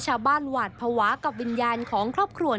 ได้นำเรื่องราวมาแชร์ในโลกโซเชียลจึงเกิดเป็นประเด็นอีกครั้ง